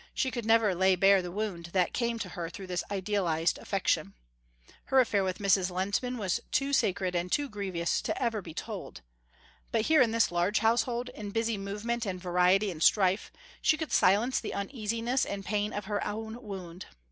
She could never lay bare the wound that came to her through this idealised affection. Her affair with Mrs. Lehntman was too sacred and too grievous ever to be told. But here in this large household, in busy movement and variety in strife, she could silence the uneasiness and pain of her own wound.